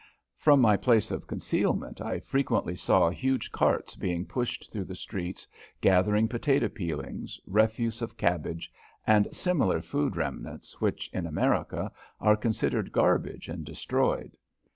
From my place of concealment I frequently saw huge carts being pushed through the streets gathering potato peelings, refuse of cabbage, and similar food remnants which, in America, are considered garbage and destroyed.